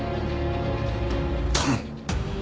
頼む。